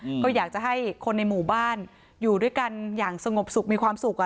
อืมก็อยากจะให้คนในหมู่บ้านอยู่ด้วยกันอย่างสงบสุขมีความสุขอ่ะ